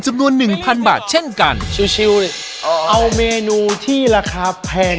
หนึ่งพันบาทเช่นกันชิวเอาเมนูที่ราคาแพง